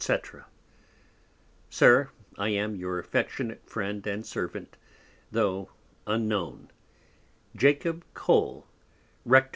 _ SIR, I am, Your Affectionate Friend and Servant, though unknown, Jacob Cole, _Rect.